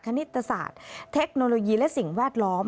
ณิตศาสตร์เทคโนโลยีและสิ่งแวดล้อม